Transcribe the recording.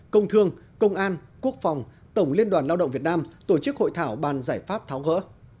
công thương công an quốc phòng tổng liên đoàn lao động việt nam tổ chức hội thảo bàn giải pháp tháo gỡ